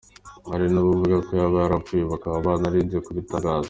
Hari n’abavuga ko yaba yarapfuye bakaba baririnze kubitangaza.